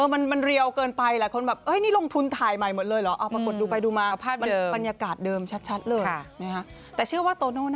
มันเรียวเกินไปแล้ว